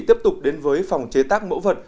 tiếp tục đến với phòng chế tác mẫu vật